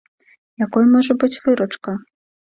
Якой можа быць выручка?